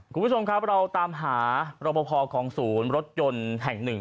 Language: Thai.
คุณผู้ชมครับเราตามหารบพอของศูนย์รถยนต์แห่งหนึ่ง